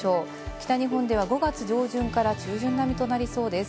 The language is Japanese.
北日本では５月上旬から中旬並みとなりそうです。